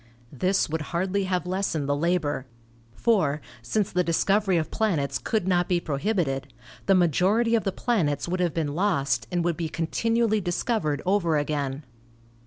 This would hardly have lessened the labor. For, since the discovery of planets could not be prohibited, the majority of the planets would have been lost and would be continually discovered over again.